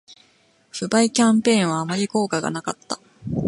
不買キャンペーンはあまり効果がなかった